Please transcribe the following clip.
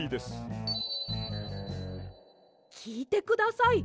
きいてください。